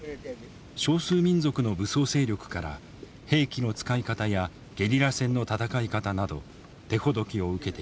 少数民族の武装勢力から兵器の使い方やゲリラ戦の戦い方など手ほどきを受けている。